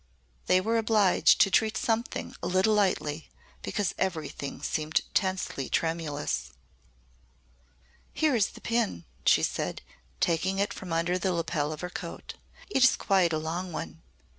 They were obliged to treat something a little lightly because everything seemed tensely tremulous. "Here is the pin," she said, taking it from under the lapel of her coat. "It is quite a long one."